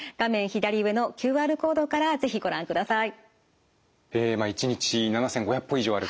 左上のＱＲコードから是非ご覧ください。